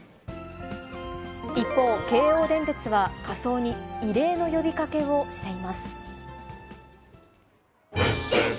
一方、京王電鉄は、仮装に異例の呼びかけをしています。